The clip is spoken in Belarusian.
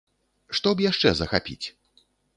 Што б яшчэ захапіць?